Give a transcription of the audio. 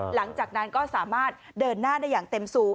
หลังจากนั้นก็สามารถเดินหน้าได้อย่างเต็มสูบ